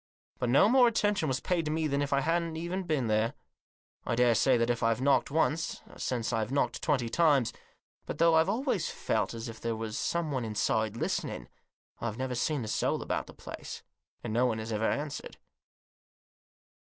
But no more attention was paid to me than if I hadn't been there. I daresay that if I've knocked once since I've knocked twenty times ; but, though I've always felt as if there was someone inside listening, I've never seen a soul about the place, and no one has ever answered.